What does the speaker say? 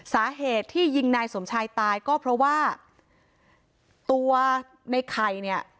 สาเหตุที่ยิงนายสมชายตายก็เพราะว่าตัวในไข่เนี่ย